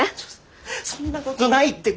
そんなことないって。